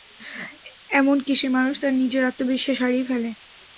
এমন কেসে, মানুষ তার নিজের আত্মবিশ্বাস হারিয়ে ফেলে।